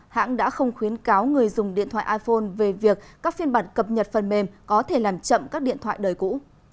hãng đã không khuyến cáo người dùng điện thoại iphone về việc các phiên bản cập nhật phần mềm có thể làm chậm các điện thoại đời cũ